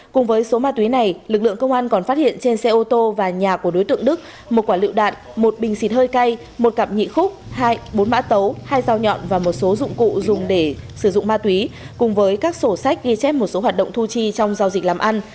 cùng với số ma túy này lực lượng công an còn phát hiện trên xe ô tô và nhà của đối tượng đức một quả lựu đạn một bình xịt hơi cay một cặp nhị khúc bốn mã tấu hai dao nhọn và một số dụng cụ dùng để sử dụng ma túy cùng với các sổ sách ghi chép một số hoạt động thu chi trong giao dịch làm ăn